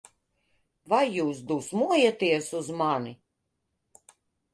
Vai jūs dusmojaties uz mani?